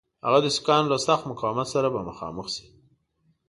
هغه د سیکهانو له سخت مقاومت سره به مخامخ سي.